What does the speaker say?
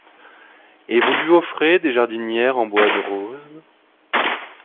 Et vous lui offrez des jardinières en bois de rose ?